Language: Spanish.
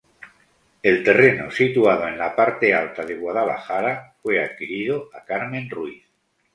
El terreno, situado en la parte alta de Guadalajara fue adquirido a Carmen Ruíz.